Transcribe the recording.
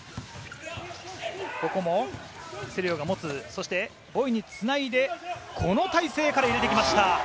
ここもセリオが持つボイにつないで、この体勢から入れてきました。